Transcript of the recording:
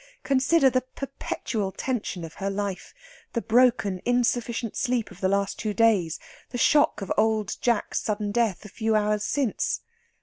Consider the perpetual tension of her life, the broken insufficient sleep of the last two days, the shock of "Old Jack's" sudden death a few hours since!